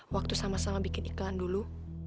waktu sama sama bikin iklan dulu